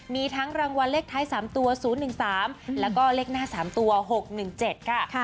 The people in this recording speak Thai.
มีทั้งรางวัลเลขท้าย๓ตัว๐๑๓แล้วก็เลขหน้า๓ตัว๖๑๗ค่ะ